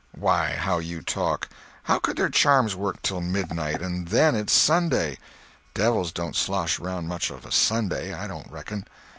"Why, how you talk! How could their charms work till midnight?—and then it's Sunday. Devils don't slosh around much of a Sunday, I don't reckon."